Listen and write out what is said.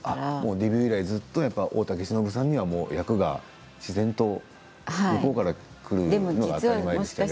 デビュー以来ずっと大竹しのぶさんには役が自然と向こうからくるのが当たり前ですけれど。